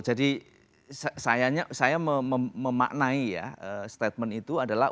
jadi saya memaknai ya statement itu adalah